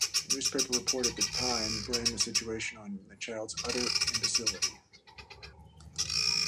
A newspaper report at the time blamed the situation on Childs' "utter imbecility".